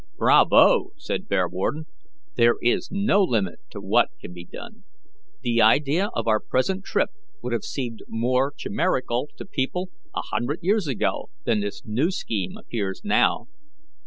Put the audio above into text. "Bravo!" said Bearwarden. "There is no limit to what can be done. The idea of our present trip would have seemed more chimerical to people a hundred years ago than this new scheme appears now."